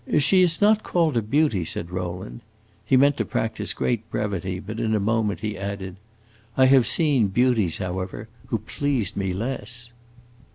"She is not called a beauty," said Rowland. He meant to practice great brevity, but in a moment he added, "I have seen beauties, however, who pleased me less."